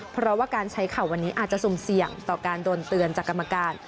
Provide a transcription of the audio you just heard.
เพราะว่าการใช้เข่าวันนี้อาจจะสุ่มเสี่ยงต่อการโดนเตือนจากกรรมการ